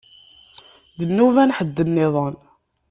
D nnuba n ḥedd-nniḍen.